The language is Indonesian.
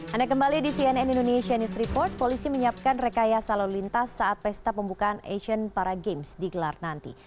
anda kembali di cnn indonesia news report polisi menyiapkan rekayasa lalu lintas saat pesta pembukaan asian para games digelar nanti